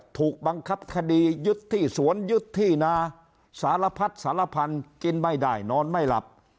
ถูกบังคับคดียึดที่สวนยึดที่นาสารพัดสารพันธุ์กินไม่ได้นอนไม่หลับ